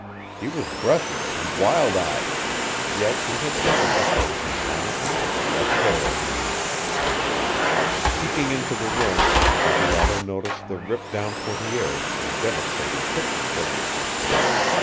He was breathless and wild eyed, yet he had entered the house as silently as a breath of air. Peeking into the room Bateato noted the ripped down portières and devastated picture frames.